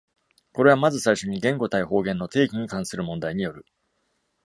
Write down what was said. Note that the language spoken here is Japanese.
これは、まず最初に、「言語」対「方言」の定義に関する問題による。